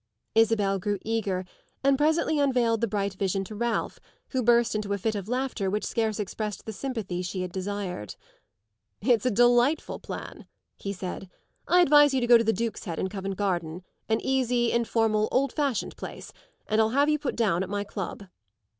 Isabel grew eager and presently unveiled the bright vision to Ralph, who burst into a fit of laughter which scarce expressed the sympathy she had desired. "It's a delightful plan," he said. "I advise you to go to the Duke's Head in Covent Garden, an easy, informal, old fashioned place, and I'll have you put down at my club."